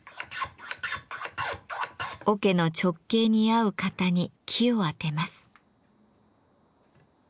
桶の直径に合う型に木を当てます。